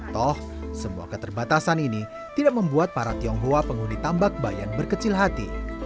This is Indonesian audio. toh semua keterbatasan ini tidak membuat para tionghoa penghuni tambak bayan berkecil hati